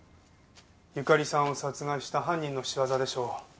ゆかりさんを殺害した犯人の仕業でしょう。